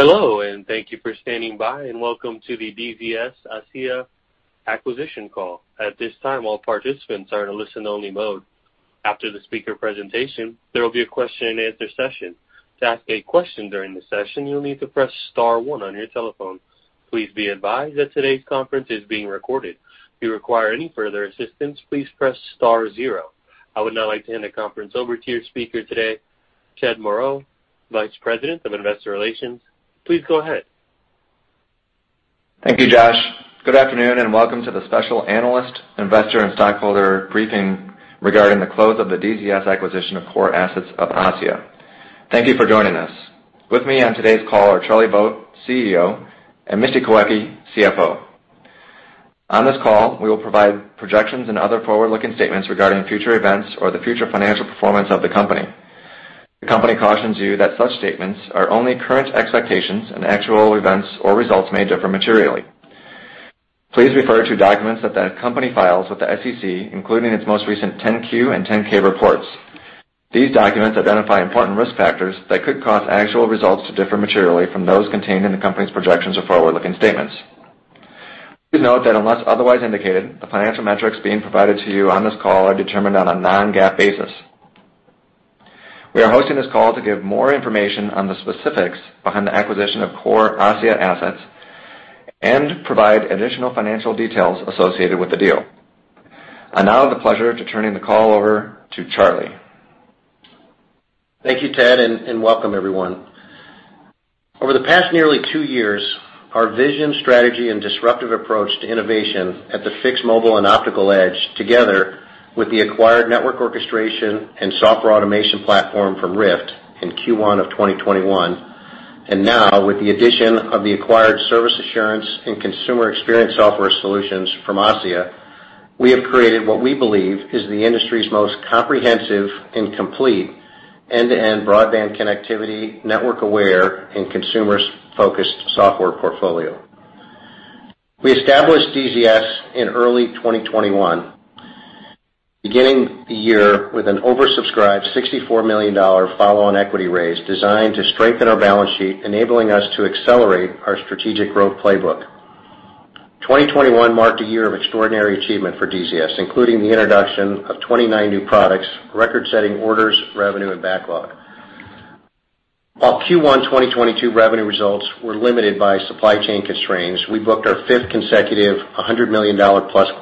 Hello, and thank you for standing by, and welcome to the DZS ASSIA Acquisition Call. At this time, all participants are in a listen-only mode. After the speaker presentation, there will be a question and answer session. To ask a question during the session, you'll need to press star one on your telephone. Please be advised that today's conference is being recorded. If you require any further assistance, please press star zero. I would now like to hand the conference over to your speaker today, Ted Moreau, Vice President of Investor Relations. Please go ahead. Thank you, Josh. Good afternoon, and welcome to the special analyst, investor, and stockholder briefing regarding the close of the DZS acquisition of core assets of ASSIA. Thank you for joining us. With me on today's call are Charlie Vogt, CEO, and Misty Kawecki, CFO. On this call, we will provide projections and other forward-looking statements regarding future events or the future financial performance of the company. The company cautions you that such statements are only current expectations and actual events or results may differ materially. Please refer to documents that the company files with the SEC, including its most recent 10-Q and 10-K reports. These documents identify important risk factors that could cause actual results to differ materially from those contained in the company's projections of forward-looking statements. Please note that unless otherwise indicated, the financial metrics being provided to you on this call are determined on a non-GAAP basis. We are hosting this call to give more information on the specifics behind the acquisition of core ASSIA assets and provide additional financial details associated with the deal. I now have the pleasure to turning the call over to Charlie. Thank you, Ted, and welcome everyone. Over the past nearly two years, our vision, strategy, and disruptive approach to innovation at the fixed mobile and optical edge, together with the acquired network orchestration and software automation platform from RIFT in Q1 of 2021, and now with the addition of the acquired service assurance and consumer experience software solutions from ASSIA, we have created what we believe is the industry's most comprehensive and complete end-to-end broadband connectivity, network aware, and consumer-focused software portfolio. We established DZS in early 2021, beginning the year with an oversubscribed $64 million follow-on equity raise designed to strengthen our balance sheet, enabling us to accelerate our strategic growth playbook. 2021 marked a year of extraordinary achievement for DZS, including the introduction of 29 new products, record-setting orders, revenue, and backlog. While Q1 2022 revenue results were limited by supply chain constraints, we booked our fifth consecutive $100 million+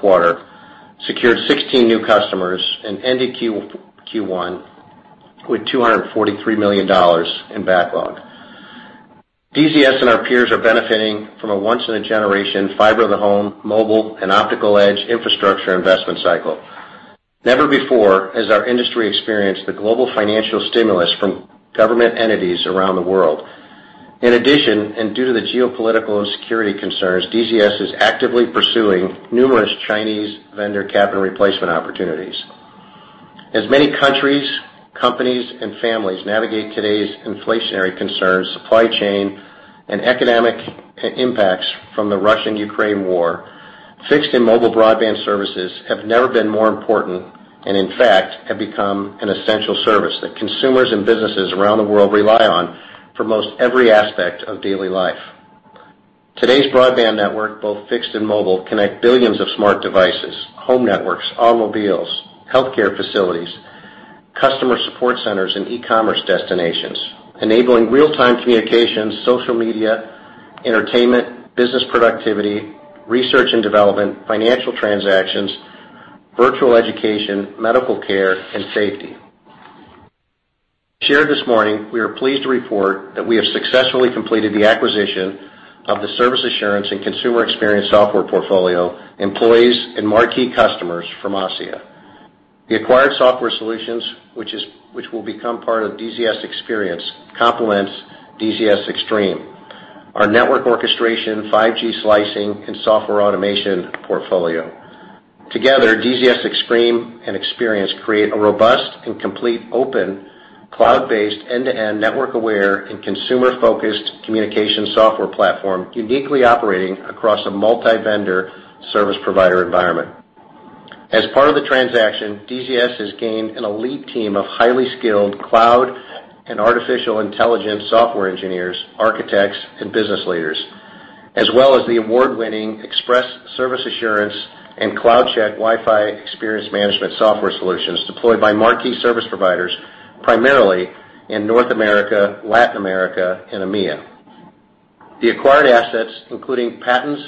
quarter, secured 16 new customers, and ended Q1 with $243 million in backlog. DZS and our peers are benefiting from a once-in-a-generation fiber to the home, mobile, and optical edge infrastructure investment cycle. Never before has our industry experienced the global financial stimulus from government entities around the world. In addition, due to the geopolitical security concerns, DZS is actively pursuing numerous Chinese vendor capital replacement opportunities. As many countries, companies, and families navigate today's inflationary concerns, supply chain and economic impacts from the Russian-Ukraine war, fixed and mobile broadband services have never been more important, and in fact, have become an essential service that consumers and businesses around the world rely on for most every aspect of daily life. Today's broadband network, both fixed and mobile, connect billions of smart devices, home networks, automobiles, healthcare facilities, customer support centers, and e-commerce destinations, enabling real-time communications, social media, entertainment, business productivity, research and development, financial transactions, virtual education, medical care, and safety. Shared this morning, we are pleased to report that we have successfully completed the acquisition of the service assurance and consumer experience software portfolio, employees, and marquee customers from ASSIA. The acquired software solutions, which will become part of DZS Xperience, complements DZS Xtreme, our network orchestration, 5G slicing, and software automation portfolio. Together, DZS Xtreme and DZS Xperience create a robust and complete open cloud-based end-to-end network aware and consumer-focused communication software platform, uniquely operating across a multi-vendor service provider environment. As part of the transaction, DZS has gained an elite team of highly skilled cloud and artificial intelligence software engineers, architects, and business leaders, as well as the award-winning Expresse Service Assurance and CloudCheck Wi-Fi Experience Management software solutions deployed by marquee service providers, primarily in North America, Latin America, and EMEA. The acquired assets, including patents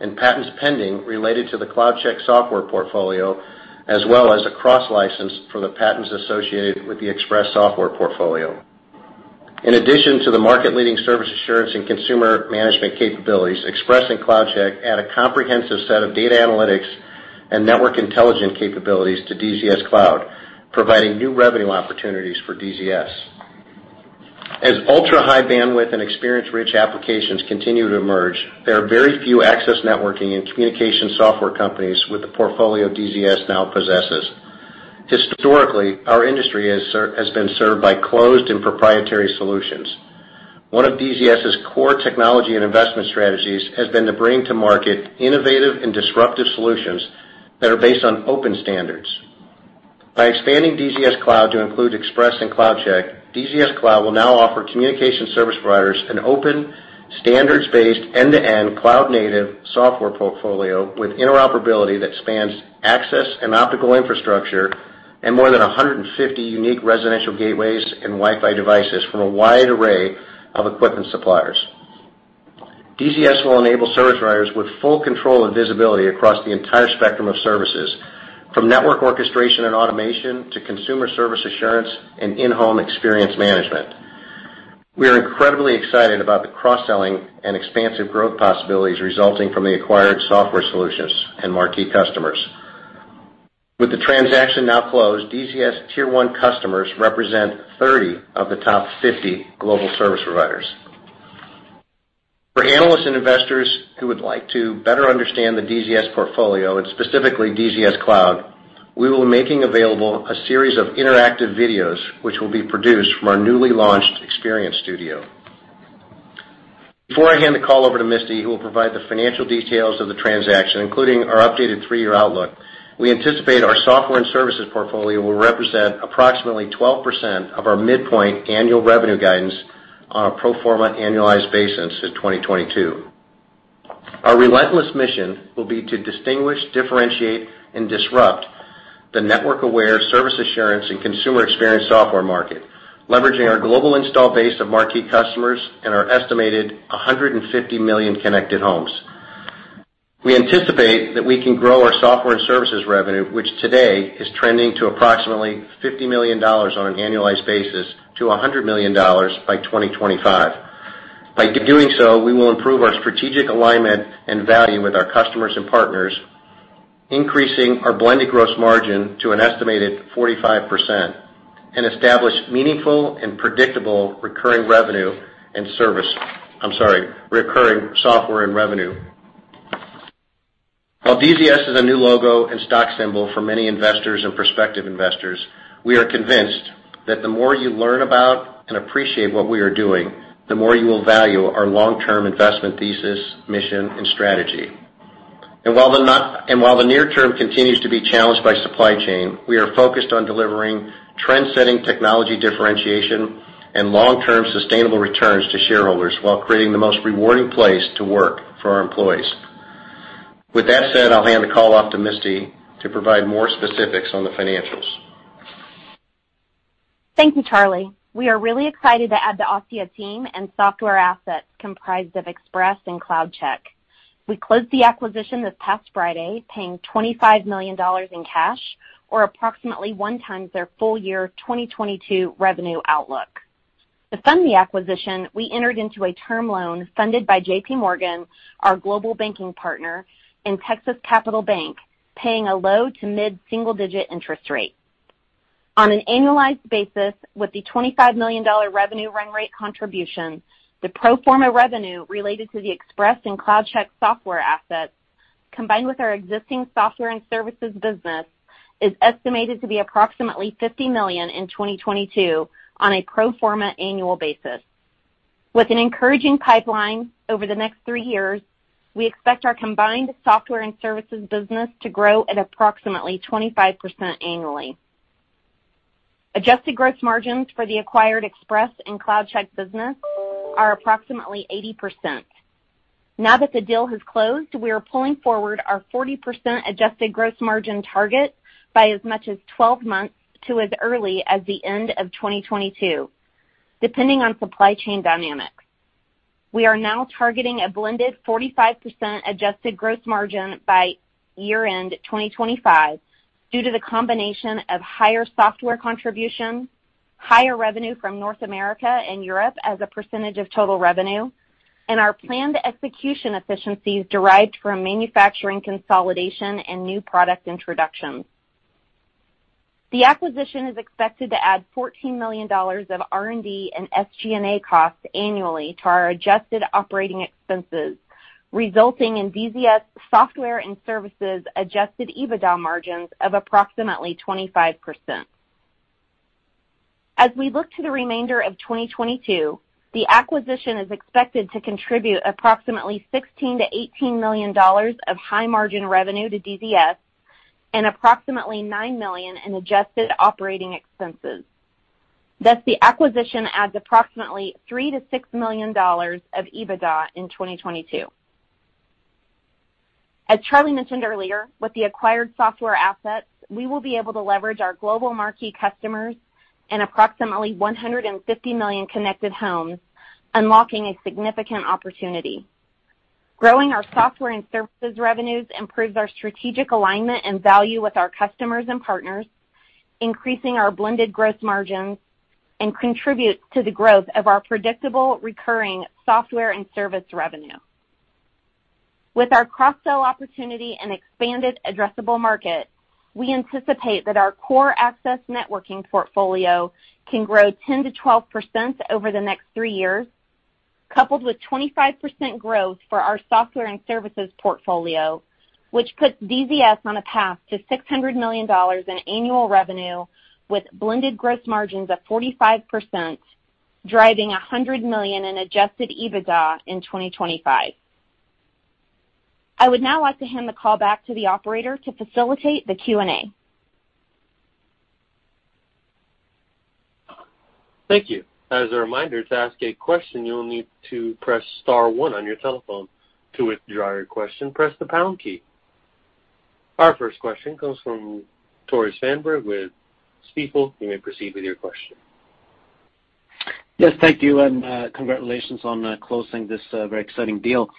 and patents pending related to the CloudCheck software portfolio, as well as a cross-license for the patents associated with the Expresse software portfolio. In addition to the market-leading service assurance and consumer management capabilities, Expresse and CloudCheck add a comprehensive set of data analytics and network intelligence capabilities to DZS Cloud, providing new revenue opportunities for DZS. As ultra-high bandwidth and experience-rich applications continue to emerge, there are very few access networking and communication software companies with the portfolio DZS now possesses. Historically, our industry has been served by closed and proprietary solutions. One of DZS's core technology and investment strategies has been to bring to market innovative and disruptive solutions that are based on open standards. By expanding DZS Cloud to include Expresse and CloudCheck, DZS Cloud will now offer communication service providers an open, standards-based, end-to-end cloud native software portfolio with interoperability that spans access and optical infrastructure and more than 150 unique residential gateways and Wi-Fi devices from a wide array of equipment suppliers. DZS will enable service providers with full control and visibility across the entire spectrum of services, from network orchestration and automation to consumer service assurance and in-home experience management. We are incredibly excited about the cross-selling and expansive growth possibilities resulting from the acquired software solutions and marquee customers. With the transaction now closed, DZS tier one customers represent 30 of the top 50 global service providers. For analysts and investors who would like to better understand the DZS portfolio and specifically DZS Cloud, we will be making available a series of interactive videos which will be produced from our newly launched experience studio. Before I hand the call over to Misty, who will provide the financial details of the transaction, including our updated three-year outlook, we anticipate our software and services portfolio will represent approximately 12% of our midpoint annual revenue guidance on a pro forma annualized basis in 2022. Our relentless mission will be to distinguish, differentiate, and disrupt the network-aware service assurance and consumer experience software market, leveraging our global install base of marquee customers and our estimated 150 million connected homes. We anticipate that we can grow our software and services revenue, which today is trending to approximately $50 million on an annualized basis to $100 million by 2025. By doing so, we will improve our strategic alignment and value with our customers and partners, increasing our blended gross margin to an estimated 45% and establish meaningful and predictable recurring revenue and service. I'm sorry, recurring software and revenue. While DZS is a new logo and stock symbol for many investors and prospective investors, we are convinced that the more you learn about and appreciate what we are doing, the more you will value our long-term investment thesis, mission, and strategy. While the near term continues to be challenged by supply chain, we are focused on delivering trend-setting technology differentiation and long-term sustainable returns to shareholders while creating the most rewarding place to work for our employees. With that said, I'll hand the call off to Misty to provide more specifics on the financials. Thank you, Charlie. We are really excited to add the ASSIA team and software assets comprised of Expresse and CloudCheck. We closed the acquisition this past Friday, paying $25 million in cash or approximately 1x their full year 2022 revenue outlook. To fund the acquisition, we entered into a term loan funded by JPMorgan, our global banking partner, and Texas Capital Bank, paying a low- to mid-single-digit interest rate. On an annualized basis, with the $25 million revenue run rate contribution, the pro forma revenue related to the Expresse and CloudCheck software assets, combined with our existing software and services business, is estimated to be approximately $50 million in 2022 on a pro forma annual basis. With an encouraging pipeline over the next three years, we expect our combined software and services business to grow at approximately 25% annually. Adjusted gross margins for the acquired Expresse and CloudCheck business are approximately 80%. Now that the deal has closed, we are pulling forward our 40% adjusted gross margin target by as much as 12 months to as early as the end of 2022, depending on supply chain dynamics. We are now targeting a blended 45% adjusted gross margin by year-end 2025 due to the combination of higher software contribution, higher revenue from North America and Europe as a percentage of total revenue, and our planned execution efficiencies derived from manufacturing consolidation and new product introductions. The acquisition is expected to add $14 million of R&D and SG&A costs annually to our adjusted operating expenses, resulting in DZS software and services Adjusted EBITDA margins of approximately 25%. As we look to the remainder of 2022, the acquisition is expected to contribute approximately $16 million-$18 million of high-margin revenue to DZS and approximately $9 million in adjusted operating expenses. Thus, the acquisition adds approximately $3 million-$6 million of EBITDA in 2022. As Charlie mentioned earlier, with the acquired software assets, we will be able to leverage our global marquee customers and approximately 150 million connected homes, unlocking a significant opportunity. Growing our software and services revenues improves our strategic alignment and value with our customers and partners, increasing our blended gross margins and contributes to the growth of our predictable recurring software and service revenue. With our cross-sell opportunity and expanded addressable market, we anticipate that our core access networking portfolio can grow 10%-12% over the next three years, coupled with 25% growth for our software and services portfolio, which puts DZS on a path to $600 million in annual revenue with blended gross margins of 45%, driving $100 million in Adjusted EBITDA in 2025. I would now like to hand the call back to the operator to facilitate the Q&A. Thank you. As a reminder, to ask a question, you will need to press star one on your telephone. To withdraw your question, press the pound key. Our first question comes from Tore Svanberg with Stifel. You may proceed with your question. Yes, thank you, and congratulations on closing this very exciting deal.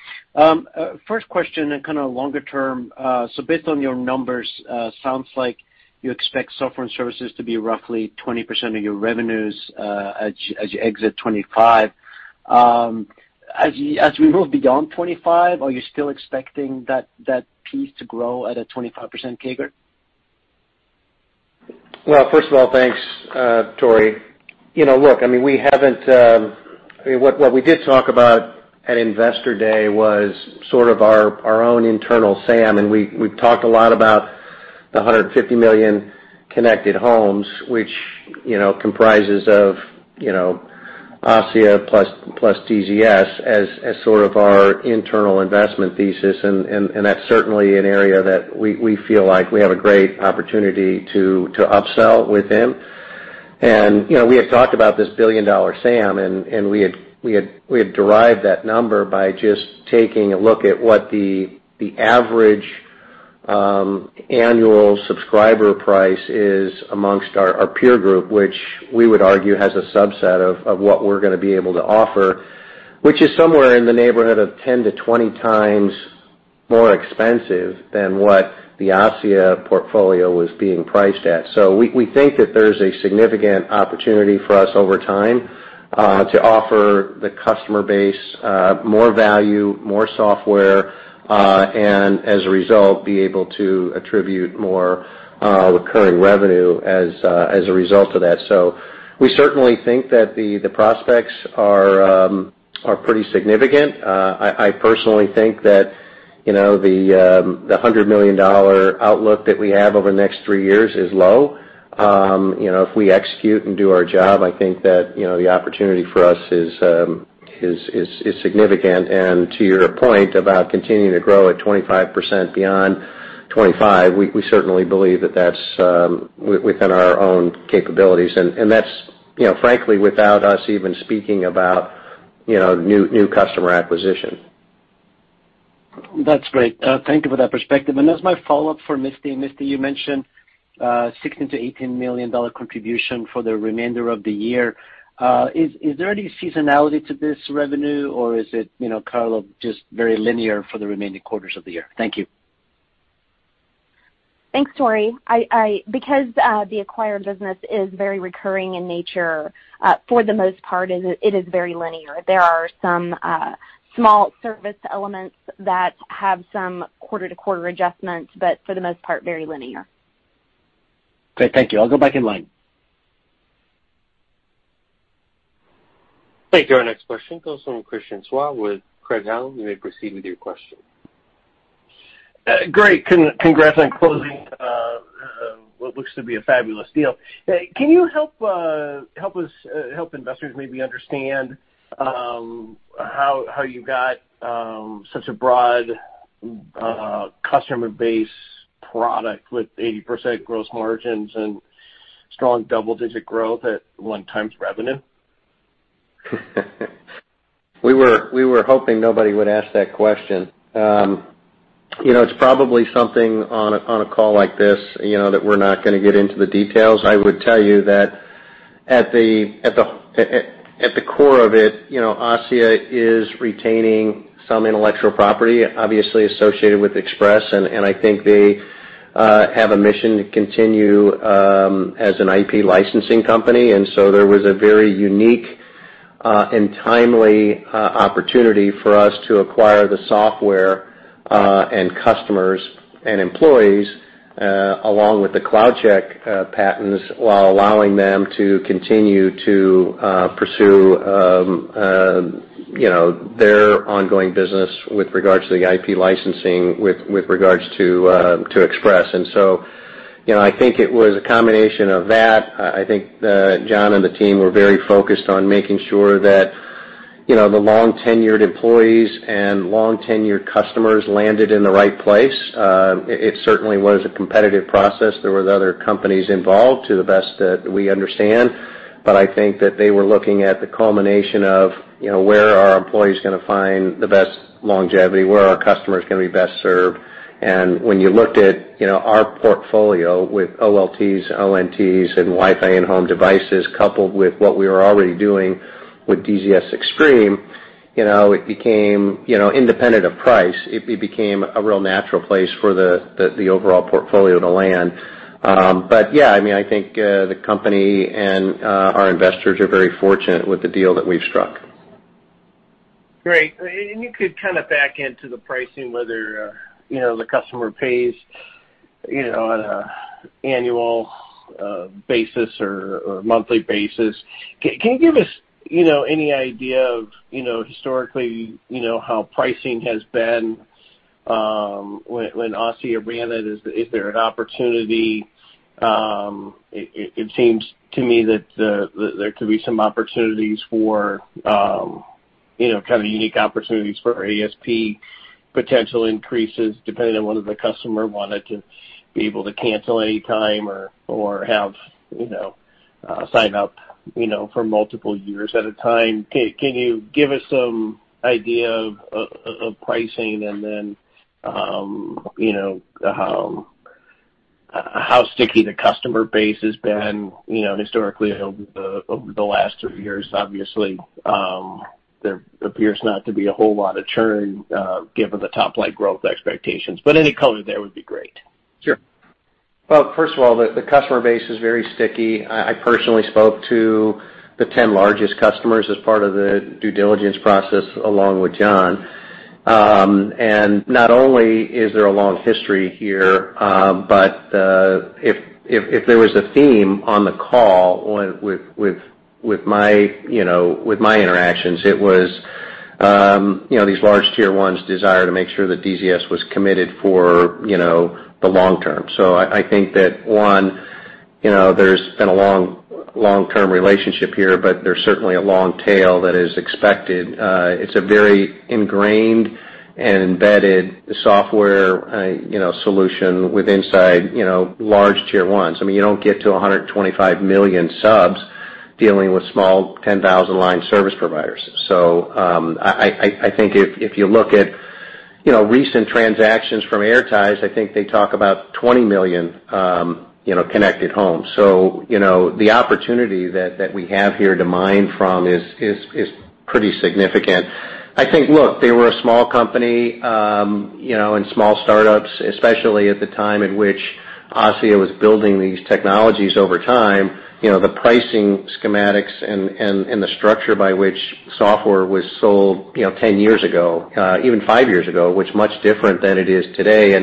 First question and kinda longer term. So based on your numbers, sounds like you expect software and services to be roughly 20% of your revenues, as you exit 2025. As we move beyond 2025, are you still expecting that piece to grow at a 25% CAGR? Well, first of all, thanks, Tore. You know, look, I mean, we haven't. I mean, what we did talk about at Investor Day was sort of our own internal SAM, and we've talked a lot about the 150 million connected homes, which, you know, comprises of, you know, ASSIA plus DZS as sort of our internal investment thesis, and that's certainly an area that we feel like we have a great opportunity to upsell within. You know, we had talked about this billion-dollar SAM, and we had derived that number by just taking a look at what the average annual subscriber price is amongst our peer group, which we would argue has a subset of what we're gonna be able to offer, which is somewhere in the neighborhood of 10-20 times more expensive than what the ASSIA portfolio was being priced at. We think that there's a significant opportunity for us over time to offer the customer base more value, more software, and as a result, be able to attribute more recurring revenue as a result of that. We certainly think that the prospects are pretty significant. I personally think that, you know, the $100 million outlook that we have over the next three years is low. You know, if we execute and do our job, I think that, you know, the opportunity for us is significant. To your point about continuing to grow at 25% beyond 25, we certainly believe that that's within our own capabilities. That's, you know, frankly, without us even speaking about, you know, new customer acquisition. That's great. Thank you for that perspective. As my follow-up for Misty, you mentioned $16 million-$18 million contribution for the remainder of the year. Is there any seasonality to this revenue, or is it, you know, kind of just very linear for the remaining quarters of the year? Thank you. Thanks, Tori. Because the acquired business is very recurring in nature, for the most part, it is very linear. There are some small service elements that have some quarter-to-quarter adjustments, but for the most part, very linear. Great. Thank you. I'll go back in line. Thank you. Our next question comes from Christian Schwab with Craig-Hallum. You may proceed with your question. Great. Congrats on closing what looks to be a fabulous deal. Can you help us help investors maybe understand how you got such a broad customer base product with 80% gross margins and strong double-digit growth at 1x revenue? We were hoping nobody would ask that question. You know, it's probably something on a call like this, you know, that we're not gonna get into the details. I would tell you that at the core of it, you know, ASSIA is retaining some intellectual property obviously associated with Expresse, and I think they have a mission to continue as an IP licensing company. There was a very unique and timely opportunity for us to acquire the software and customers and employees along with the CloudCheck patents, while allowing them to continue to pursue their ongoing business with regards to the IP licensing with regards to Expresse. You know, I think it was a combination of that. I think John and the team were very focused on making sure that, you know, the long-tenured employees and long-tenured customers landed in the right place. It certainly was a competitive process. There were other companies involved to the best that we understand, but I think that they were looking at the culmination of, you know, where are our employees gonna find the best longevity, where are customers gonna be best served. When you looked at, you know, our portfolio with OLTs, ONTs and Wi-Fi in-home devices, coupled with what we were already doing with DZS Xtreme, you know, it became, you know, independent of price. It became a real natural place for the overall portfolio to land. Yeah, I mean, I think the company and our investors are very fortunate with the deal that we've struck. Great. You could kinda back into the pricing whether you know the customer pays you know on an annual basis or monthly basis. Can you give us you know any idea of you know historically you know how pricing has been when ASSIA ran it. Is there an opportunity? It seems to me that that there could be some opportunities for you know kind of unique opportunities for ASP potential increases depending on whether the customer wanted to be able to cancel any time or have you know sign up you know for multiple years at a time. Can you give us some idea of of pricing and then you know how sticky the customer base has been you know historically over the last three years? Obviously, there appears not to be a whole lot of churn, given the top-line growth expectations, but any color there would be great. Sure. Well, first of all, the customer base is very sticky. I personally spoke to the 10 largest customers as part of the due diligence process along with John. Not only is there a long history here, but if there was a theme on the call with my interactions, it was, you know, these large tier ones desire to make sure that DZS was committed for, you know, the long term. I think that, one, you know, there's been a long-term relationship here, but there's certainly a long tail that is expected. It's a very ingrained and embedded software, you know, solution within, you know, large tier ones. I mean, you don't get to 125 million subs dealing with small 10,000-line service providers. I think if you look at, you know, recent transactions from Airties, I think they talk about 20 million, you know, connected homes. You know, the opportunity that we have here to mine from is pretty significant. I think, look, they were a small company, you know, and small startups, especially at the time in which ASSIA was building these technologies over time. You know, the pricing schematics and the structure by which software was sold, you know, ten years ago, even five years ago, was much different than it is today.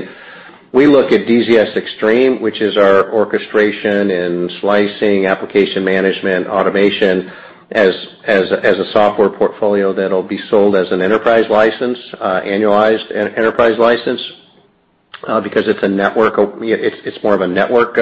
We look at DZS Xtreme, which is our orchestration and slicing application management automation as a software portfolio that'll be sold as an enterprise license, annualized enterprise license, because it's a network, it's more of a network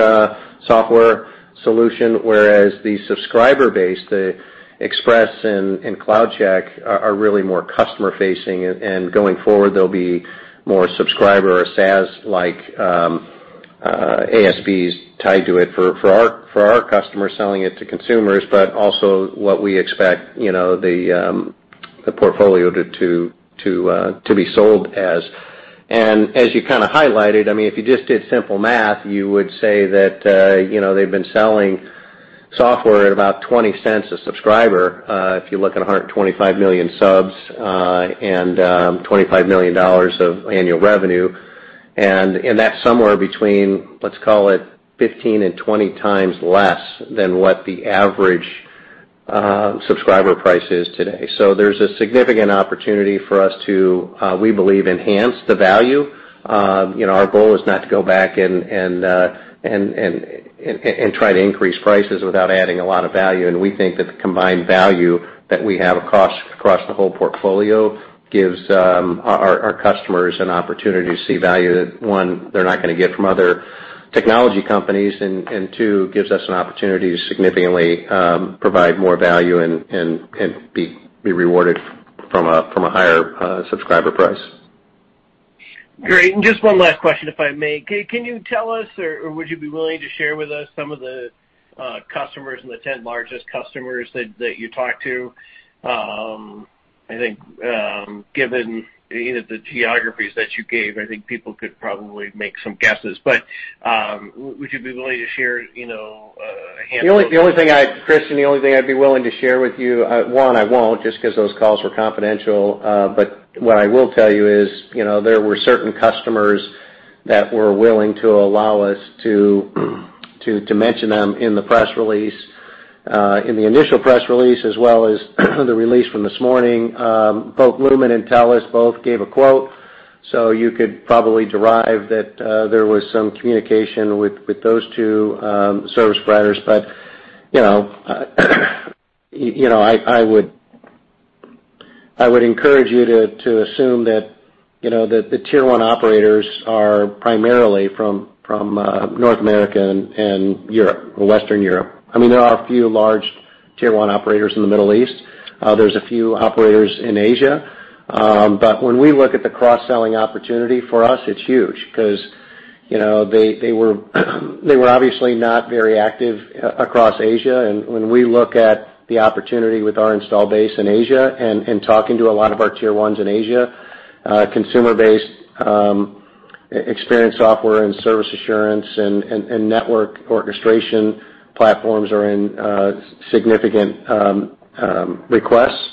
software solution, whereas the subscriber base, the Expresse and CloudCheck are really more customer-facing and going forward, they'll be more subscriber or SaaS like, ASPs tied to it for our customers selling it to consumers, but also what we expect, you know, the portfolio to be sold as. As you kinda highlighted, I mean, if you just did simple math, you would say that, you know, they've been selling software at about $0.20 a subscriber, if you look at 125 million subs, and $25 million of annual revenue. That's somewhere between, let's call it 15-20 times less than what the average subscriber price is today. There's a significant opportunity for us to, we believe, enhance the value. You know, our goal is not to go back and try to increase prices without adding a lot of value. We think that the combined value that we have across the whole portfolio gives our customers an opportunity to see value that one they're not gonna get from other technology companies and two gives us an opportunity to significantly provide more value and be rewarded from a higher subscriber price. Great. Just one last question, if I may. Can you tell us or would you be willing to share with us some of the customers and the 10 largest customers that you talk to? I think, given any of the geographies that you gave, I think people could probably make some guesses. Would you be willing to share, you know, a handful? Christian, the only thing I'd be willing to share with you, I won't just 'cause those calls were confidential. What I will tell you is, you know, there were certain customers that were willing to allow us to mention them in the press release, in the initial press release, as well as the release from this morning. Both Lumen and TELUS gave a quote, so you could probably derive that there was some communication with those two service providers. You know, I would encourage you to assume that, you know, that the tier one operators are primarily from North America and Europe or Western Europe. I mean, there are a few large tier one operators in the Middle East. There's a few operators in Asia. But when we look at the cross-selling opportunity, for us, it's huge 'cause, you know, they were obviously not very active across Asia. When we look at the opportunity with our install base in Asia and talking to a lot of our tier ones in Asia, consumer-based experience software and service assurance and network orchestration platforms are in significant requests.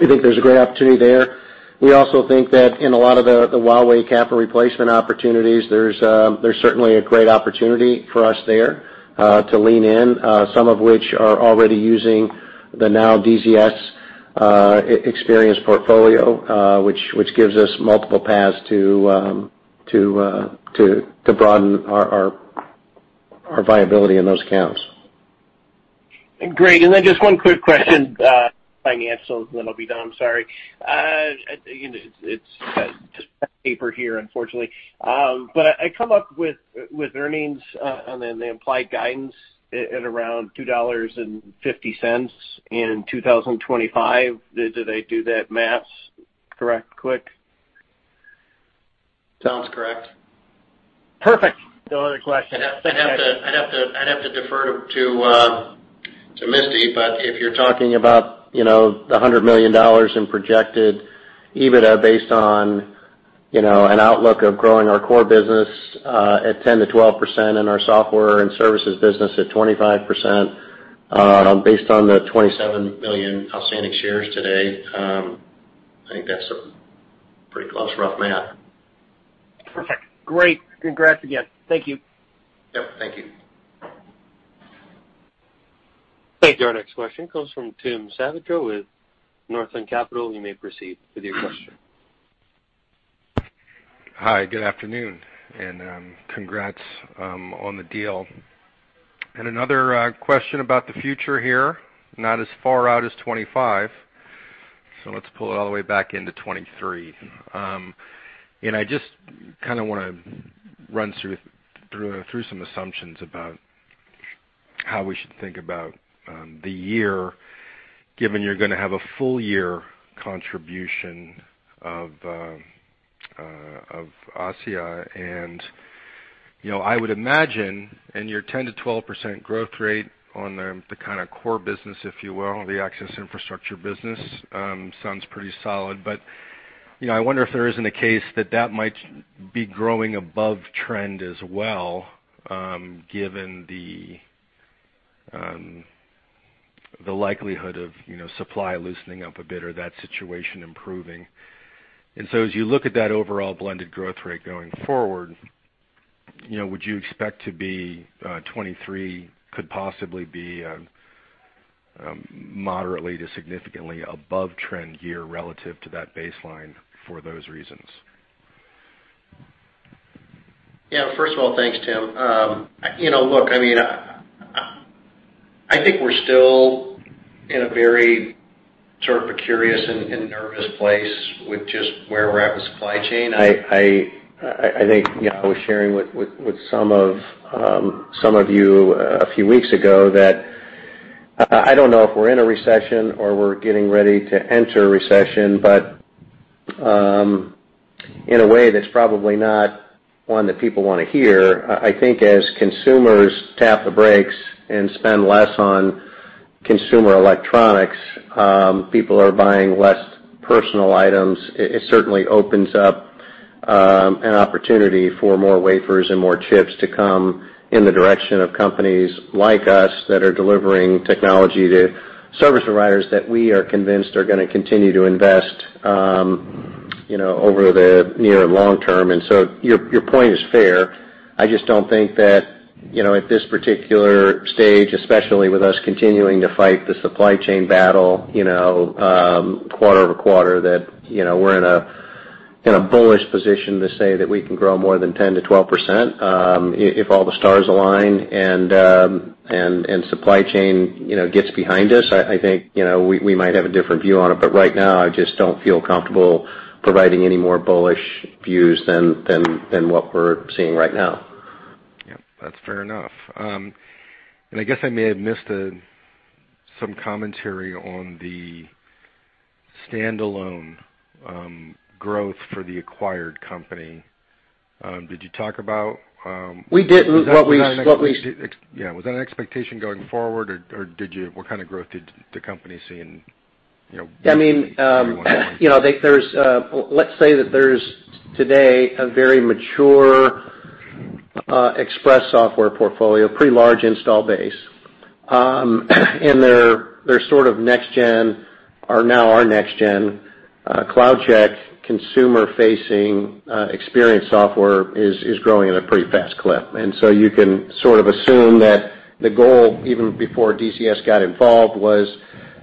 We think there's a great opportunity there. We also think that in a lot of the Huawei capital replacement opportunities, there's certainly a great opportunity for us there to lean in, some of which are already using the now DZS experience portfolio, which gives us multiple paths to broaden our viability in those accounts. Great. Then just one quick question, financial, then I'll be done. I'm sorry. You know, it's paper here, unfortunately. I come up with earnings, and then the implied guidance at around $2.50 in 2025. Did I do that math correct, quick? Sounds correct. Perfect. No other questions. I'd have to defer to Misty, but if you're talking about the $100 million in projected EBITDA based on an outlook of growing our core business at 10%-12% and our software and services business at 25%, based on the 27 million outstanding shares today, I think that's a pretty close rough math. Perfect. Great. Congrats again. Thank you. Yep. Thank you. Thank you. Our next question comes from Tim Savageaux with Northland Capital Markets. You may proceed with your question. Hi, good afternoon, and congrats on the deal. Another question about the future here, not as far out as 2025, so let's pull it all the way back into 2023. I just kinda wanna run through some assumptions about how we should think about the year given you're gonna have a full year contribution of ASSIA. You know, I would imagine in your 10%-12% growth rate on the kinda core business, if you will, the access infrastructure business, sounds pretty solid. You know, I wonder if there isn't a case that that might be growing above trend as well, given the likelihood of, you know, supply loosening up a bit or that situation improving. As you look at that overall blended growth rate going forward, you know, would you expect to be 23%, could possibly be moderately to significantly above trend year relative to that baseline for those reasons? Yeah. First of all, thanks, Tim. You know, look, I mean, I think we're still in a very sort of a curious and nervous place with just where we're at with supply chain. I think, you know, I was sharing with some of you a few weeks ago that I don't know if we're in a recession or we're getting ready to enter a recession, but in a way that's probably not one that people wanna hear. I think as consumers tap the brakes and spend less on consumer electronics, people are buying less personal items. It certainly opens up an opportunity for more wafers and more chips to come in the direction of companies like us that are delivering technology to service providers that we are convinced are gonna continue to invest, you know, over the near long term. Your point is fair. I just don't think that, you know, at this particular stage, especially with us continuing to fight the supply chain battle, you know, quarter-over-quarter, that, you know, we're in a bullish position to say that we can grow more than 10%-12%, if all the stars align and supply chain, you know, gets behind us. I think, you know, we might have a different view on it, but right now I just don't feel comfortable providing any more bullish views than what we're seeing right now. Yep. That's fair enough. I guess I may have missed some commentary on the standalone growth for the acquired company. Did you talk about? We did. What we Yeah. Was that an expectation going forward or what kind of growth did the company see in, you know? I mean, you know, there's, let's say that there's today a very mature Express software portfolio, pretty large install base. Their sort of next gen are now our next gen, CloudCheck consumer-facing experience software is growing at a pretty fast clip. You can sort of assume that the goal, even before DZS got involved, was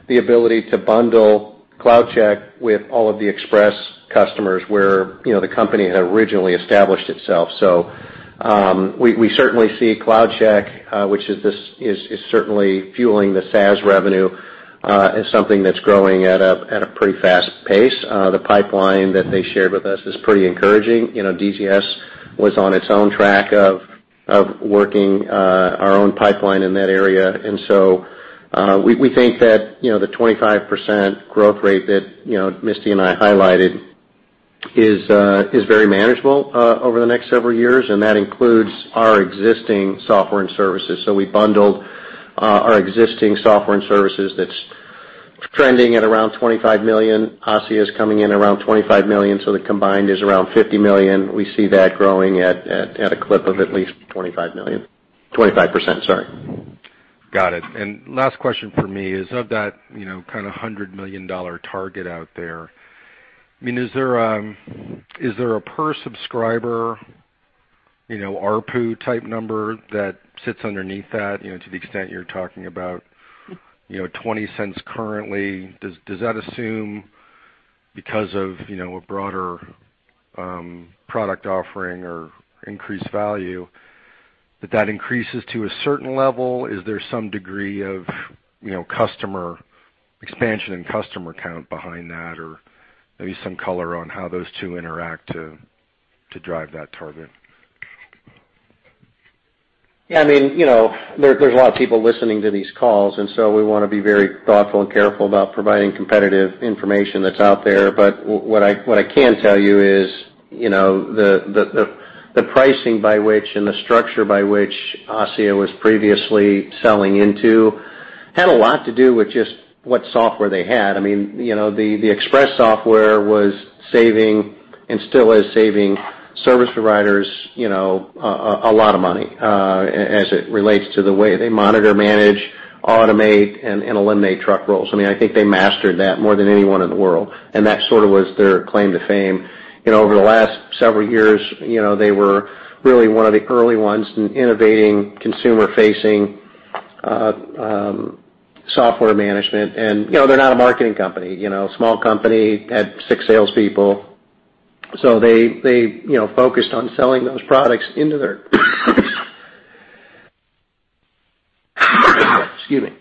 the ability to bundle CloudCheck with all of the Expresse customers where, you know, the company had originally established itself. We certainly see CloudCheck, which is certainly fueling the SaaS revenue, as something that's growing at a pretty fast pace. The pipeline that they shared with us is pretty encouraging. You know, DZS was on its own track of working our own pipeline in that area. We think that, you know, the 25% growth rate that, you know, Misty and I highlighted is very manageable over the next several years, and that includes our existing software and services. We bundled our existing software and services that's trending at around $25 million. ASSIA is coming in around $25 million, so the combined is around $50 million. We see that growing at a clip of at least $25 million. 25%, sorry. Got it. Last question from me is, of that, you know, kinda $100 million target out there, I mean, is there a per subscriber, you know, ARPU type number that sits underneath that? You know, to the extent you're talking about, you know, $0.20 currently. Does that assume because of, you know, a broader product offering or increased value that increases to a certain level. Is there some degree of, you know, customer expansion and customer count behind that? Or maybe some color on how those two interact to drive that target. Yeah, I mean, you know, there's a lot of people listening to these calls, and so we wanna be very thoughtful and careful about providing competitive information that's out there. What I can tell you is, you know, the pricing by which, and the structure by which ASSIA was previously selling into had a lot to do with just what software they had. I mean, you know, the Expresse software was saving and still is saving service providers, you know, a lot of money, as it relates to the way they monitor, manage, automate, and eliminate truck rolls. I mean, I think they mastered that more than anyone in the world, and that sort of was their claim to fame. You know, over the last several years, you know, they were really one of the early ones in innovating consumer-facing software management. You know, they're not a marketing company, you know, small company, had six salespeople, so they, you know, focused on selling those products into their. Excuse me.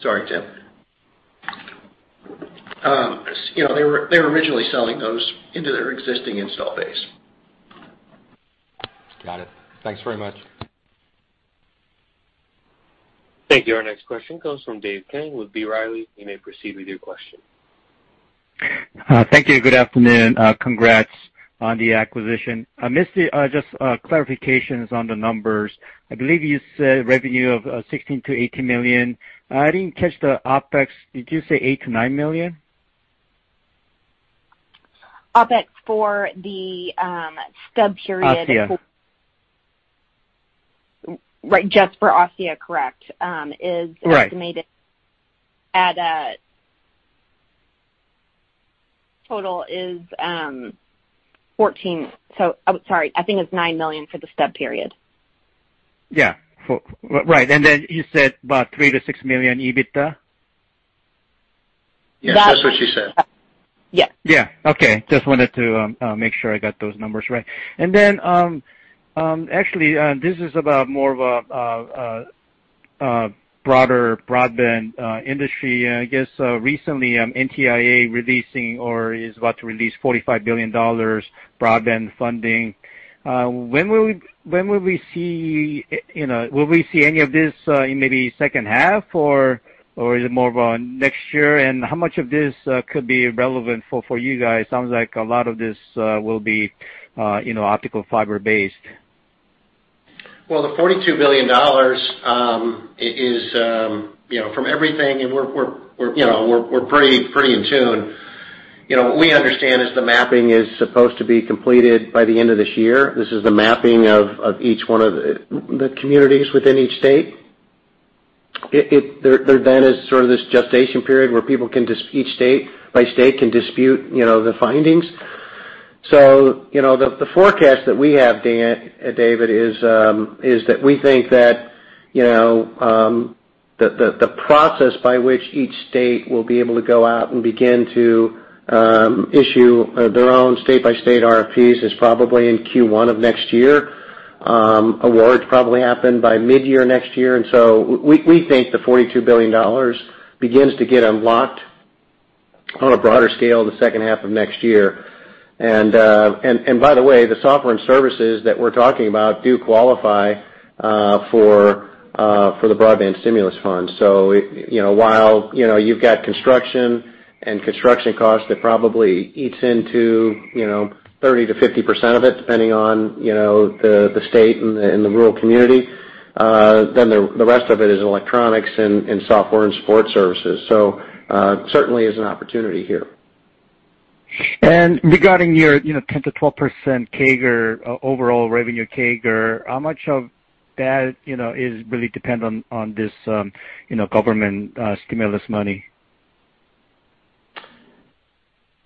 Sorry, Tim. You know, they were originally selling those into their existing install base. Got it. Thanks very much. Thank you. Our next question comes from Dave Kang with B. Riley. You may proceed with your question. Thank you. Good afternoon. Congrats on the acquisition. I missed the just clarifications on the numbers. I believe you said revenue of $16-$18 million. I didn't catch the OpEx. Did you say $8-$9 million? OpEx for the stub period. Osea. Right, just for Osea, correct. Right. Estimated at total is 14. Sorry, I think it's $9 million for the stub period. Yeah. Right. And then you said about $3 million-$6 million EBITDA? Yes, that's what she said. Yes. Yeah. Okay. Just wanted to make sure I got those numbers right. Then actually this is about more of a broader broadband industry. I guess recently NTIA releasing or is about to release $45 billion broadband funding. When will we see, you know, will we see any of this in maybe second half, or is it more of a next year? How much of this could be relevant for you guys? Sounds like a lot of this will be, you know, optical fiber-based. Well, the $42 billion is from everything, and we're pretty in tune. You know, what we understand is the mapping is supposed to be completed by the end of this year. This is the mapping of each one of the communities within each state. There then is sort of this gestation period where people can dispute the findings. You know, the forecast that we have, Dave, is that we think that the process by which each state will be able to go out and begin to issue their own state-by-state RFPs is probably in Q1 of next year. Awards probably happen by mid-year next year. We think the $42 billion begins to get unlocked on a broader scale in the second half of next year. By the way, the software and services that we're talking about do qualify for the broadband stimulus funds. You know, while you've got construction costs that probably eats into 30%-50% of it, depending on the state and the rural community, then the rest of it is electronics and software and support services. Certainly is an opportunity here. Regarding your, you know, 10%-12% CAGR, overall revenue CAGR, how much of that, you know, is really dependent on this, you know, government stimulus money?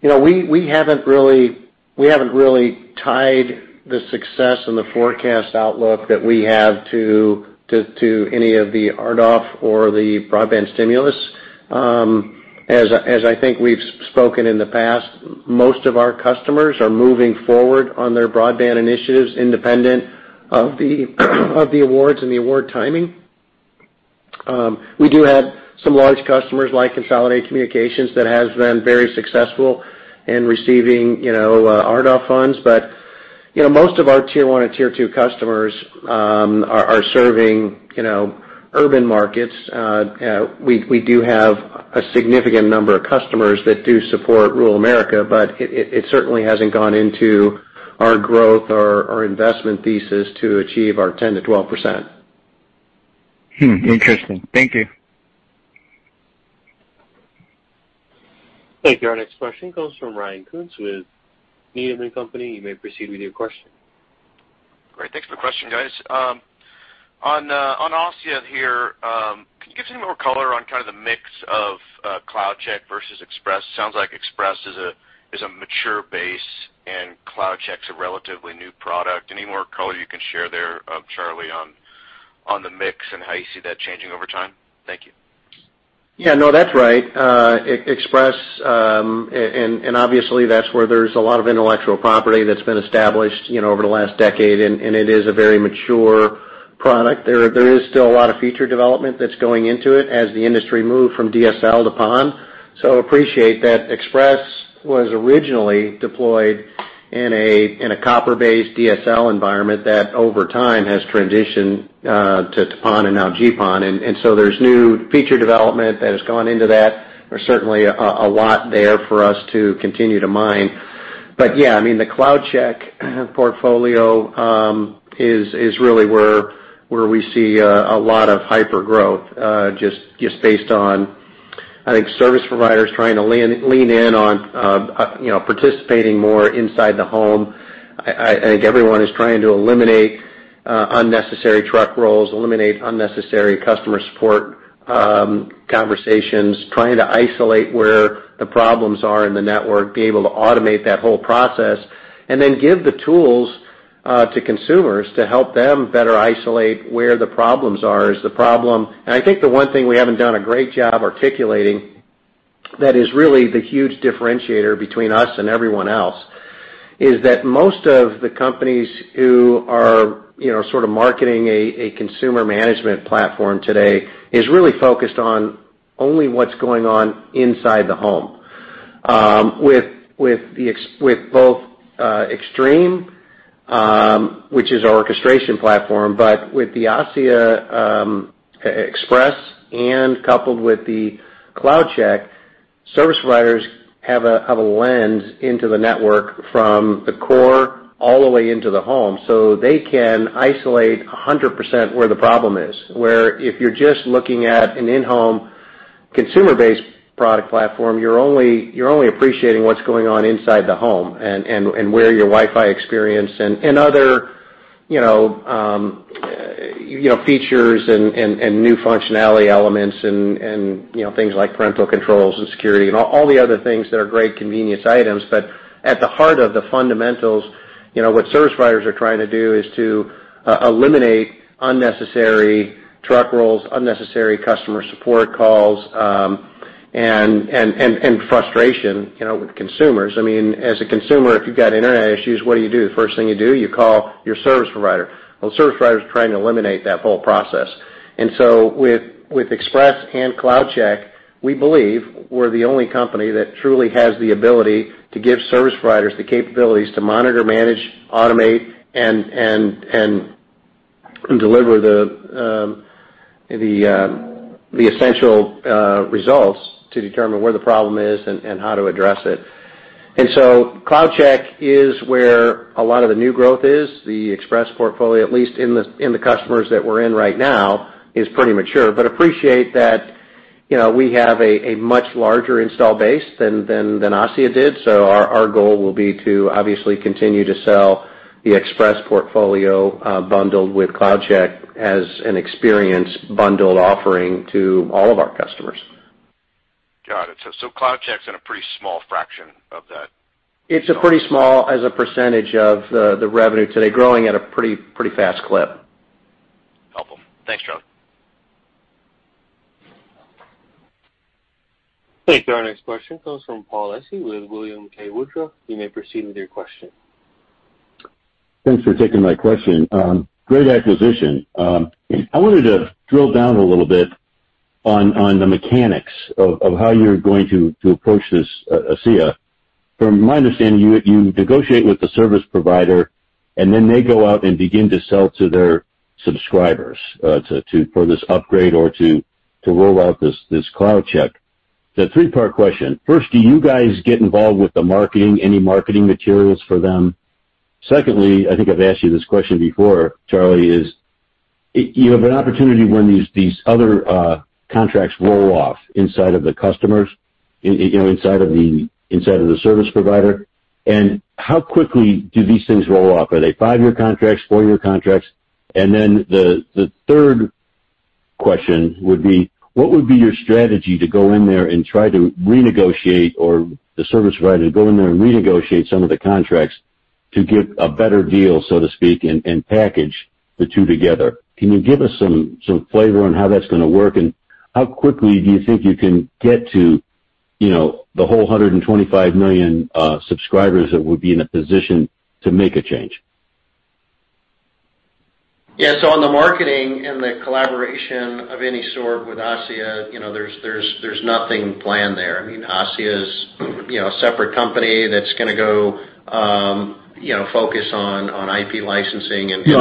You know, we haven't really tied the success and the forecast outlook that we have to any of the RDOF or the broadband stimulus. As I think we've spoken in the past, most of our customers are moving forward on their broadband initiatives independent of the awards and the award timing. We do have some large customers, like Consolidated Communications, that has been very successful in receiving, you know, RDOF funds, but, you know, most of our tier one and tier two customers are serving, you know, urban markets. We do have a significant number of customers that do support rural America, but it certainly hasn't gone into our growth or our investment thesis to achieve our 10%-12%. Interesting. Thank you. Thank you. Our next question comes from Ryan Koontz with Needham & Company. You may proceed with your question. Great. Thanks for the question, guys. On SaaS here, can you give us any more color on kind of the mix of CloudCheck versus Expresse? Sounds like Expresse is a mature base and CloudCheck's a relatively new product. Any more color you can share there, Charlie, on the mix and how you see that changing over time? Thank you. Yeah, no, that's right. Expresse, and obviously that's where there's a lot of intellectual property that's been established, you know, over the last decade, and it is a very mature product. There is still a lot of feature development that's going into it as the industry moved from DSL to PON. Appreciate that Expresse was originally deployed in a copper-based DSL environment that over time has transitioned to PON and now GPON. There's new feature development that has gone into that. There's certainly a lot there for us to continue to mine. Yeah, I mean, the CloudCheck portfolio is really where we see a lot of hyper growth, just based on, I think, service providers trying to lean in on, you know, participating more inside the home. I think everyone is trying to eliminate unnecessary truck rolls, eliminate unnecessary customer support conversations, trying to isolate where the problems are in the network, be able to automate that whole process, and then give the tools to consumers to help them better isolate where the problems are. Is the problem I think the one thing we haven't done a great job articulating that is really the huge differentiator between us and everyone else, is that most of the companies who are, you know, sort of marketing a consumer management platform today is really focused on only what's going on inside the home. With both Xtreme, which is our orchestration platform, but with the ASSIA Expresse and coupled with the CloudCheck, service providers have a lens into the network from the core all the way into the home, so they can isolate 100% where the problem is. Where if you're just looking at an in-home consumer-based product platform, you're only appreciating what's going on inside the home and where your Wi-Fi experience and other, you know, features and new functionality elements and you know, things like parental controls and security and all the other things that are great convenience items. At the heart of the fundamentals, you know, what service providers are trying to do is to eliminate unnecessary truck rolls, unnecessary customer support calls and frustration, you know, with consumers. I mean, as a consumer, if you've got internet issues, what do you do? The first thing you do, you call your service provider. Well, the service provider is trying to eliminate that whole process. With Expresse and CloudCheck, we believe we're the only company that truly has the ability to give service providers the capabilities to monitor, manage, automate, and deliver the essential results to determine where the problem is and how to address it. CloudCheck is where a lot of the new growth is. The Expresse portfolio, at least in the customers that we're in right now, is pretty mature. Appreciate that, you know, we have a much larger install base than ASSIA did. Our goal will be to obviously continue to sell the Expresse portfolio bundled with CloudCheck as an experience bundled offering to all of our customers. Got it. CloudCheck's in a pretty small fraction of that. It's a pretty small as a percentage of the revenue today, growing at a pretty fast clip. Helpful. Thanks, Charlie. Thank you. Our next question comes from Paul Silverstein with TD Cowen. You may proceed with your question. Thanks for taking my question. Great acquisition. I wanted to drill down a little bit on the mechanics of how you're going to approach this ASSIA. From my understanding, you negotiate with the service provider, and then they go out and begin to sell to their subscribers to for this upgrade or to roll out this CloudCheck. It's a three-part question. First, do you guys get involved with the marketing, any marketing materials for them? Secondly, I think I've asked you this question before, Charlie. You have an opportunity when these other contracts roll off inside of the customers, you know, inside of the service provider. How quickly do these things roll off? Are they five-year contracts, four-year contracts? Then the third question would be, what would be your strategy to go in there and try to renegotiate, or the service provider go in there and renegotiate some of the contracts to get a better deal, so to speak, and package the two together? Can you give us some flavor on how that's gonna work? How quickly do you think you can get to, you know, the whole 125 million subscribers that would be in a position to make a change? Yes, on the marketing and the collaboration of any sort with ASSIA, you know, there's nothing planned there. I mean, ASSIA is, you know, a separate company that's gonna go, you know, focus on IP licensing and- Yeah,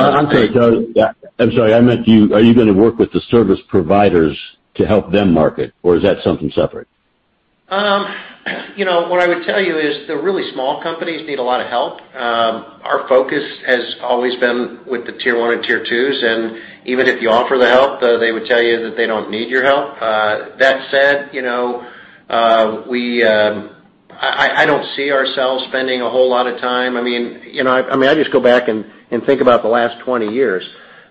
I'm sorry. I meant, are you gonna work with the service providers to help them market, or is that something separate? You know, what I would tell you is the really small companies need a lot of help. Our focus has always been with the Tier one and Tier two's, and even if you offer the help, they would tell you that they don't need your help. That said, you know, I don't see ourselves spending a whole lot of time. I mean, you know, I mean, I just go back and think about the last 20 years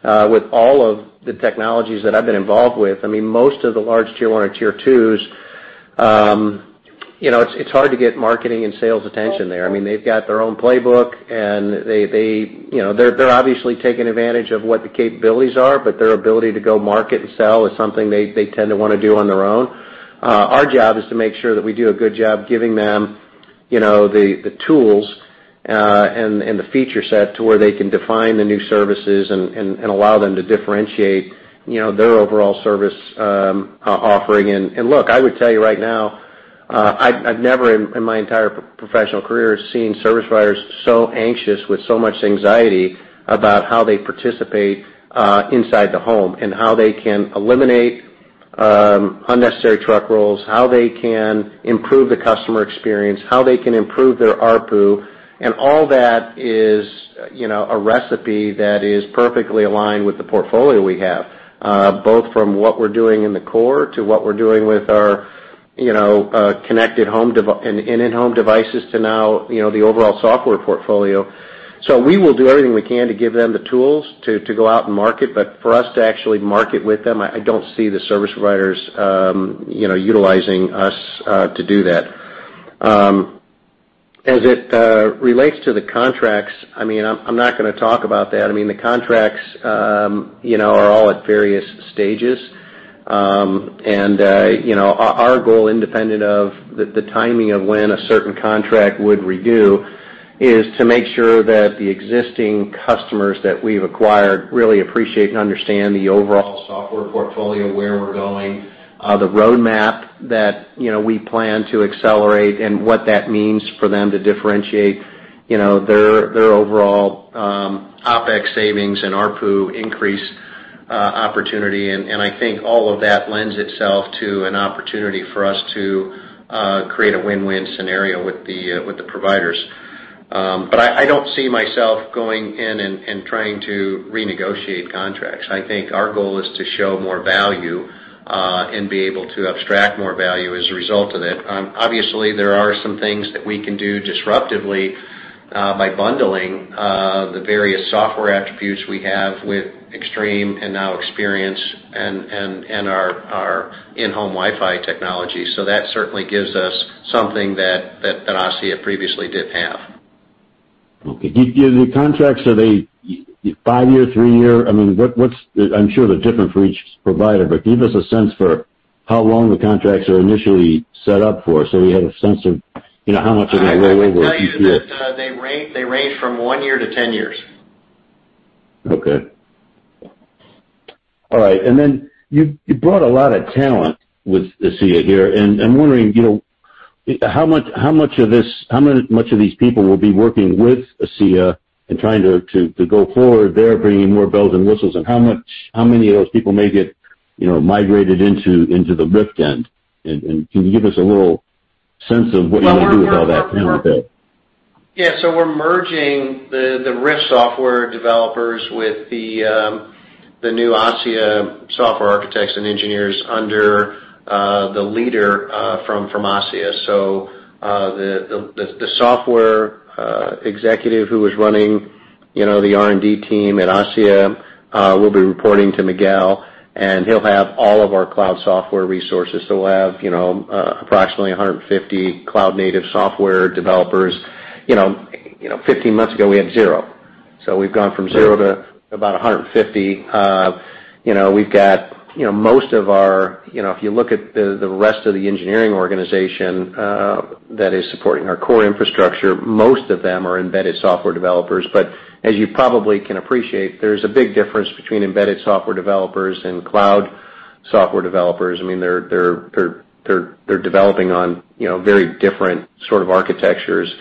with all of the technologies that I've been involved with. I mean, most of the large Tier one or Tier two's. You know, it's hard to get marketing and sales attention there. I mean, they've got their own playbook, and they, you know, they're obviously taking advantage of what the capabilities are, but their ability to go to market and sell is something they tend to wanna do on their own. Our job is to make sure that we do a good job giving them, you know, the tools and the feature set to where they can define the new services and allow them to differentiate, you know, their overall service offering. Look, I would tell you right now, I've never in my entire professional career seen service providers so anxious with so much anxiety about how they participate inside the home and how they can eliminate unnecessary truck rolls, how they can improve the customer experience, how they can improve their ARPU. All that is, you know, a recipe that is perfectly aligned with the portfolio we have both from what we're doing in the core to what we're doing with our, you know, connected home in home devices to now, you know, the overall software portfolio. We will do everything we can to give them the tools to go out and market, but for us to actually market with them, I don't see the service providers, you know, utilizing us to do that. As it relates to the contracts, I mean, I'm not gonna talk about that. I mean, the contracts, you know, are all at various stages. You know, our goal, independent of the timing of when a certain contract would renew, is to make sure that the existing customers that we've acquired really appreciate and understand the overall software portfolio, where we're going, the roadmap that, you know, we plan to accelerate and what that means for them to differentiate, you know, their overall OpEx savings and ARPU increase opportunity. I think all of that lends itself to an opportunity for us to create a win-win scenario with the providers. I don't see myself going in and trying to renegotiate contracts. I think our goal is to show more value and be able to abstract more value as a result of it. Obviously, there are some things that we can do disruptively by bundling the various software attributes we have with Xtreme and now Xperience and our in-home Wi-Fi technology. That certainly gives us something that ASSIA previously didn't have. Okay. The contracts, are they five-year, three-year? I mean, what's the. I'm sure they're different for each provider, but give us a sense for how long the contracts are initially set up for, so we have a sense of, you know, how much of that roll over a few years. I'd have to tell you that, they range from one year to 10 years. Okay. All right. You've brought a lot of talent with ASSIA here, and I'm wondering, you know, how much of these people will be working with ASSIA and trying to go forward there, bringing more bells and whistles. How many of those people may get, you know, migrated into the RIFT end? Can you give us a little sense of what you wanna do with all that talent there? Yeah. We're merging the RIFT software developers with the new ASSIA software architects and engineers under the leader from ASSIA. The software executive who was running, you know, the R&D team at ASSIA will be reporting to Miguel, and he'll have all of our cloud software resources. We'll have, you know, approximately 150 cloud native software developers. You know, 15 months ago, we had zero. We've gone from zero to about 150. You know, we've got, you know, most of our. You know, if you look at the rest of the engineering organization that is supporting our core infrastructure, most of them are embedded software developers. As you probably can appreciate, there's a big difference between embedded software developers and cloud software developers. I mean, they're developing on, you know, very different sort of architectures.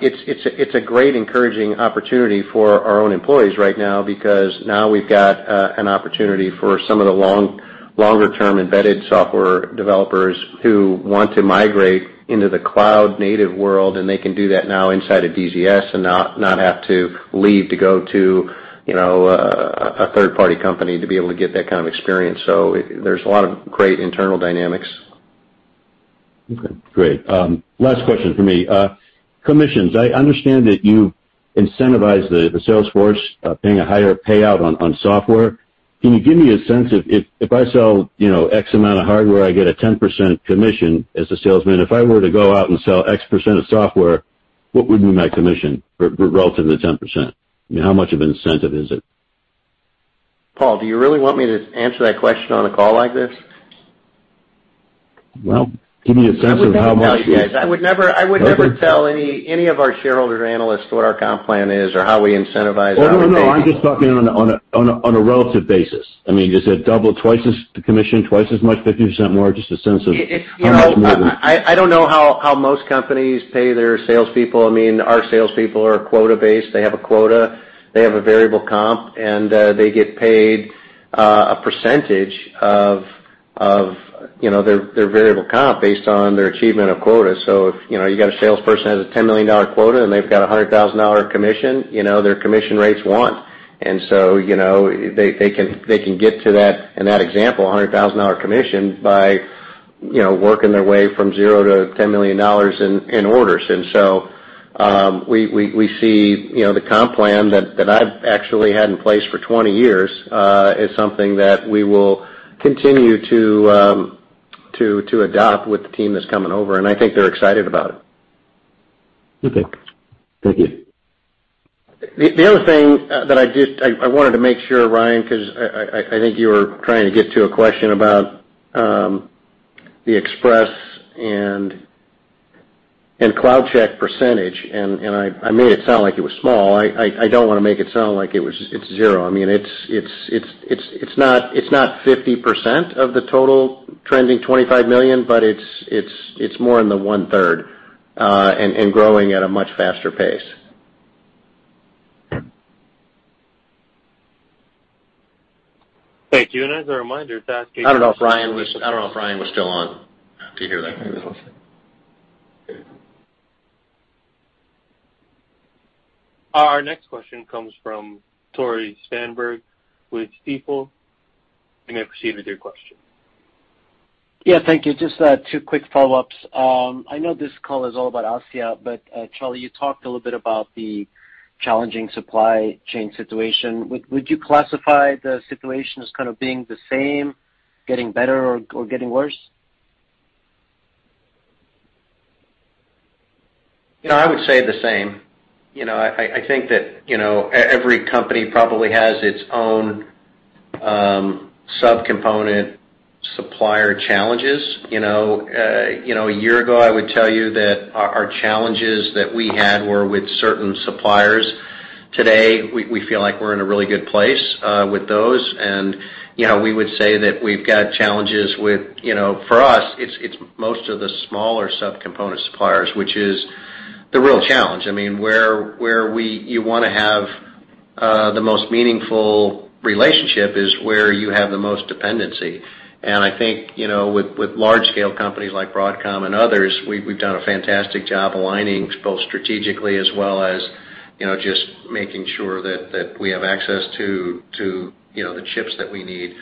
It's a great encouraging opportunity for our own employees right now because now we've got an opportunity for some of the longer term embedded software developers who want to migrate into the cloud native world, and they can do that now inside of DZS and not have to leave to go to, you know, a third party company to be able to get that kind of experience. There's a lot of great internal dynamics. Okay. Great. Last question from me. Commissions. I understand that you incentivize the sales force, paying a higher payout on software. Can you give me a sense of if I sell, you know, X amount of hardware, I get a 10% commission as a salesman. If I were to go out and sell X% of software, what would be my commission relative to 10%? I mean, how much of an incentive is it? Paul, do you really want me to answer that question on a call like this? Well, give me a sense of how much? I would never tell you guys. I would never tell any of our shareholders or analysts what our comp plan is or how we incentivize our sales force. Oh, no. I'm just talking on a relative basis. I mean, is it double, twice as the commission, twice as much, 50% more? Just a sense of how much more than You know, I don't know how most companies pay their salespeople. I mean, our salespeople are quota-based. They have a quota, they have a variable comp, and they get paid a percentage of, you know, their variable comp based on their achievement of quota. If you got a salesperson that has a $10 million quota and they've got a $100,000 commission, you know, their commission rate's one. They can get to that, in that example, a $100,000 commission by working their way from zero to $10 million in orders. We see, you know, the comp plan that I've actually had in place for 20 years is something that we will continue to adopt with the team that's coming over, and I think they're excited about it. Okay. Thank you. The other thing that I just wanted to make sure, Ryan, 'cause I think you were trying to get to a question about the Expresse and CloudCheck percentage, and I made it sound like it was small. I don't wanna make it sound like it's zero. I mean, it's not 50% of the total trending $25 million, but it's more in the 1/3, and growing at a much faster pace. Thank you. As a reminder to ask any. I don't know if Ryan was still on. Do you hear that? Our next question comes from Tore Svanberg with Stifel. You may proceed with your question. Yeah. Thank you. Just two quick follow-ups. I know this call is all about ASSIA, but Charlie, you talked a little bit about the challenging supply chain situation. Would you classify the situation as kind of being the same, getting better or getting worse? You know, I would say the same. You know, I think that, you know, every company probably has its own subcomponent supplier challenges, you know? You know, a year ago, I would tell you that our challenges that we had were with certain suppliers. Today, we feel like we're in a really good place with those. You know, we would say that we've got challenges with, you know, for us, it's most of the smaller subcomponent suppliers, which is the real challenge. I mean, you wanna have the most meaningful relationship is where you have the most dependency. I think, you know, with large-scale companies like Broadcom and others, we've done a fantastic job aligning both strategically as well as, you know, just making sure that we have access to, you know, the chips that we need.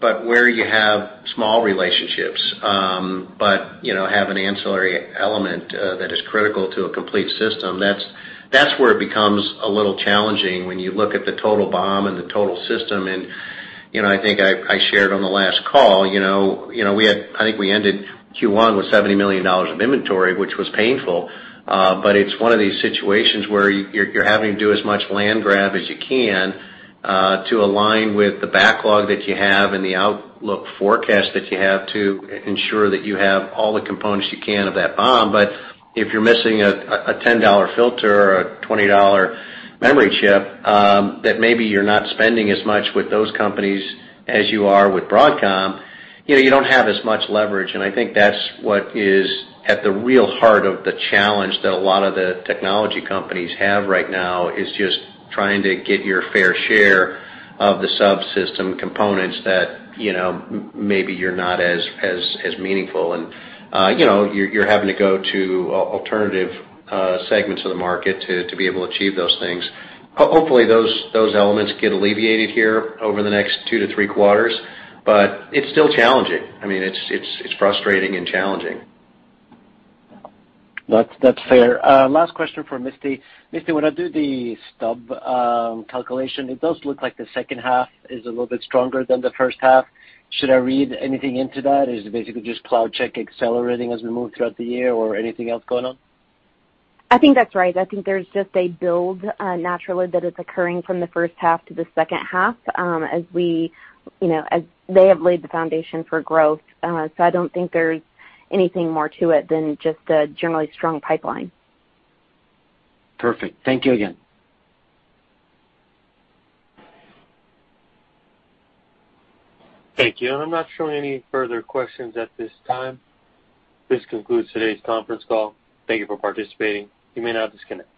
Where you have small relationships but you know have an ancillary element that is critical to a complete system, that's where it becomes a little challenging when you look at the total BOM and the total system. You know, I think I shared on the last call, you know, I think we ended Q1 with $70 million of inventory, which was painful, but it's one of these situations where you're having to do as much land grab as you can to align with the backlog that you have and the outlook forecast that you have to ensure that you have all the components you can of that BOM. But if you're missing a $10 filter or a $20 memory chip, that maybe you're not spending as much with those companies as you are with Broadcom, you know, you don't have as much leverage. I think that's what is at the real heart of the challenge that a lot of the technology companies have right now is just trying to get your fair share of the subsystem components that, you know, maybe you're not as meaningful. You know, you're having to go to alternative segments of the market to be able to achieve those things. Hopefully, those elements get alleviated here over the next two to three quarters, but it's still challenging. I mean, it's frustrating and challenging. That's fair. Last question for Misty. Misty, when I do the stub calculation, it does look like the second half is a little bit stronger than the first half. Should I read anything into that? Is it basically just CloudCheck accelerating as we move throughout the year or anything else going on? I think that's right. I think there's just a build naturally that is occurring from the first half to the second half, as we, you know, as they have laid the foundation for growth. I don't think there's anything more to it than just a generally strong pipeline. Perfect. Thank you again. Thank you. I'm not showing any further questions at this time. This concludes today's conference call. Thank you for participating. You may now disconnect.